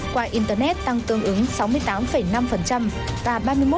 qua internet tăng tương ứng sáu mươi tám năm và ba mươi một